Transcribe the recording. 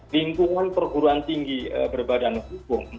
lingkungan perguruan tinggi berbadan hukum